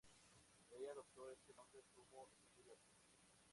Ella adoptó este nombre como el suyo artístico.